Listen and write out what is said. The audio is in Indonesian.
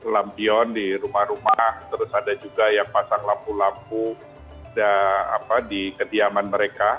lampion di rumah rumah terus ada juga yang pasang lampu lampu di kediaman mereka